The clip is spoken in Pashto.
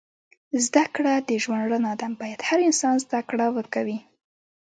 زده کړه د ژوند رڼا ده. باید هر انسان زده کړه وه کوی